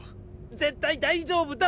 絶対大丈夫だって！